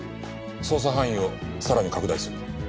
捜査範囲をさらに拡大する。